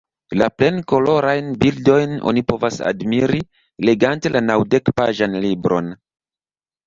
La plenkolorajn bildojn oni povas admiri legante la naŭdekpaĝan libron.